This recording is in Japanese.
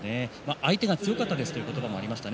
相手が強かったですという言葉もありました。